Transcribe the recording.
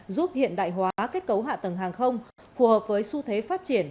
giúp hiện đại hóa kết cấu hạ tầng hàng không phù hợp với xu thế phát triển